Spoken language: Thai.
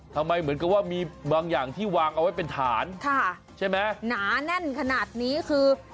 เหมือนกับว่ามีบางอย่างที่วางเอาไว้เป็นฐานค่ะใช่ไหมหนาแน่นขนาดนี้คือ